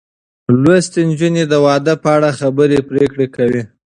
لوستې نجونې د واده په اړه خبرې پرېکړې کوي.